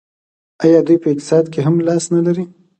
آیا دوی په اقتصاد کې هم لاس نلري؟